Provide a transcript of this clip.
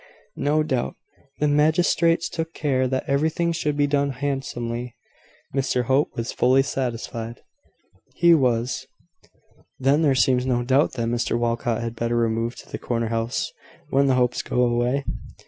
"No doubt. The magistrates took care that everything should be done handsomely. Mr Hope was fully satisfied." "He was: then there seems no doubt that Mr Walcot had better remove to the corner house when the Hopes go away.